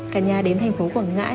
cả nhà đến tp quảng ngãi